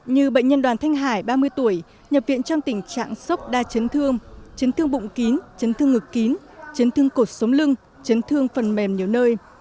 như bệnh nhân đoàn thanh hải ba mươi tuổi nhập viện trong tình trạng sốc đa chấn thương chấn thương bụng kín chấn thương ngực kín chấn thương cột sống lưng chấn thương phần mềm nhiều nơi